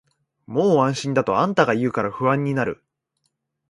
もう安心だとあんたが言うから不安になる